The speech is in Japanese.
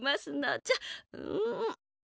うん。